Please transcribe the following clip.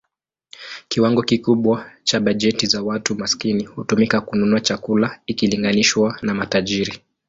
Kiwango kikubwa cha bajeti za watu maskini hutumika kununua chakula ikilinganishwa na matajiri.